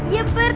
ya pak rt